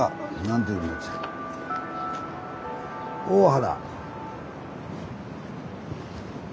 大原。